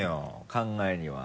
考えには。